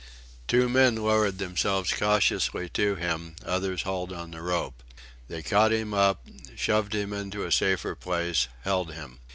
Two men lowered themselves cautiously to him; others hauled on the rope. They caught him up, shoved him into a safer place, held him.